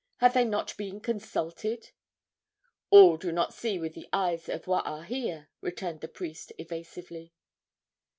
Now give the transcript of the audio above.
Have they not been consulted?" "All do not see with the eyes of Waahia," returned the priest, evasively.